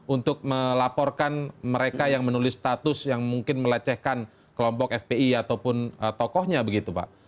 untuk melaporkan mereka yang menulis status yang mungkin melecehkan kelompok fpi ataupun tokohnya begitu pak